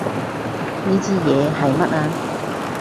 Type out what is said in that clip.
呢支嘢係乜啊？